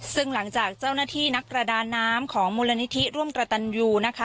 ซึ่งหลังจากเจ้าหน้าที่นักประดาน้ำของมูลนิธิร่วมกระตันยูนะคะ